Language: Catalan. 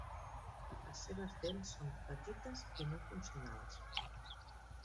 Les seves dents són petites i no funcionals.